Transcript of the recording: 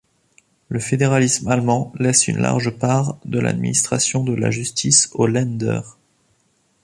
Le fédéralisme allemand laisse une large part de l’administration de la Justice aux Länder.